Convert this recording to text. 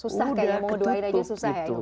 susah kayaknya mau doain aja susah ya